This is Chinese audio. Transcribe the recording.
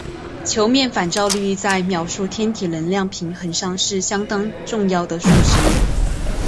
球面反照率在描述天体能量平衡上是相当重要的数值。